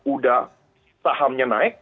udah sahamnya naik